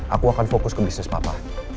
aku akan fokus ke bisnis papa